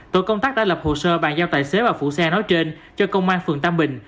tội công tác đã lập hồ sơ bàn giao tài xế và phụ xe nói trên cho công an phường tam bình